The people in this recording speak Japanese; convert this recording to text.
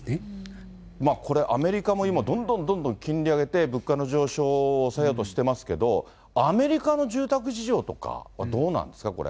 これ、アメリカも今、どんどんどんどん金利上げて物価の上昇を抑えようとしていますけれども、アメリカの住宅事情とかはどうなんですか、これ。